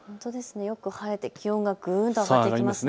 よく晴れて気温がぐんと上がってきますね。